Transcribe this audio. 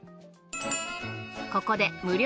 ここで無料